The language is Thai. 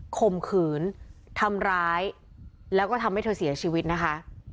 ข่มขืนทำร้ายแล้วก็ทำให้เธอเสียชีวิตนะคะ